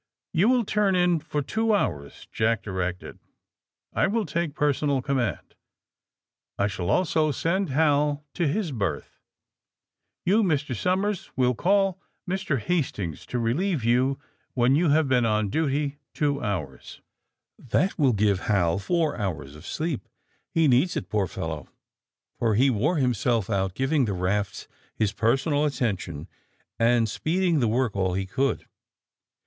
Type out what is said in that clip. "You will turn in for two hours," Jack di rected, "I will take personal command. I shall also send Hal to his berth. You, Mr. Somers, will call Mr. Hastings to relieve you when you 152 THE SUBMAEINE BOYS have been on duty two honrs. That will give Hal f onr honrs of sleep. He needs it, poor fel low, for he wore himself out giving the rafts his personal attention, and speeding the work all he conld.